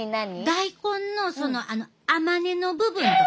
大根のその甘根の部分。